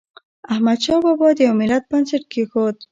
احمد شاه بابا د یو ملت بنسټ کېښود.